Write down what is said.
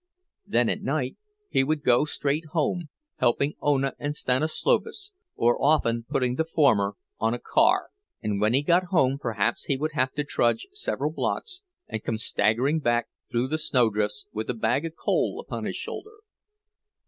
Then at night he would go straight home, helping Ona and Stanislovas, or often putting the former on a car. And when he got home perhaps he would have to trudge several blocks, and come staggering back through the snowdrifts with a bag of coal upon his shoulder.